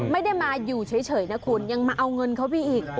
ไม่ได้มาอยู่เฉยนะคุณยังมาเอาเงินเขาไปอีก